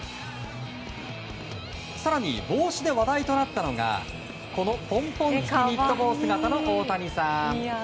更に帽子で話題となったのがこのポンポン付きニット帽姿の大谷さん。